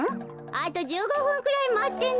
あと１５ふんくらいまってね。